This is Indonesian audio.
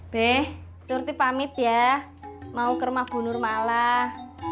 deh surti pamit ya mau kermah bunur malah